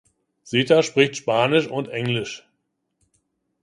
Zeta spricht Spanisch und Englisch.